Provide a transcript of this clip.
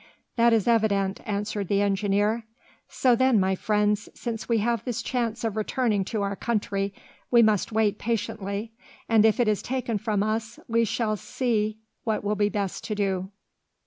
"That is evident," answered the engineer. "So then, my friends, since we have this chance of returning to our country, we must wait patiently, and if it is taken from us we shall see what will be best to do."